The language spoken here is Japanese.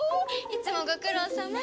いつもご苦労さま。